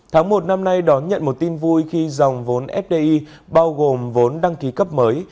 tháng một năm nay đón nhận một tin vui khi dòng vốn fdi bao gồm vốn đăng ký cấp mới